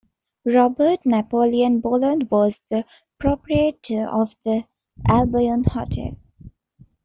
Robert Napoleon Bullen was the proprietor of the Albion Hotel.